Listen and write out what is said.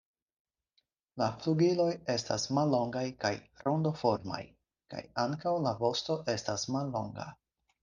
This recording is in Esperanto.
La flugiloj estas mallongaj kaj rondoformaj, kaj ankaŭ la vosto estas mallonga.